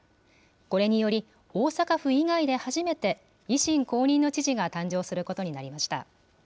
これにより、大阪府以外で初めて維新公認の知事が誕生することになりました。